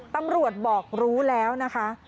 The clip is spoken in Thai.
ตำรวจบอกรู้แล้วนะคะ